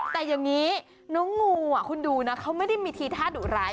แต่อย่างนี้น้องงูคุณดูนะเขาไม่ได้มีทีท่าดุร้าย